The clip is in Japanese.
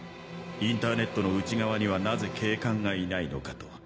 インターネットの内側にはなぜ警官がいないのかと。